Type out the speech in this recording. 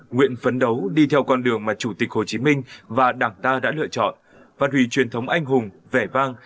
nguyện phấn đấu đi theo con đường mà chủ tịch hồ chí minh và đảng ta đã lựa chọn phát hủy truyền thống anh hùng vẻ vang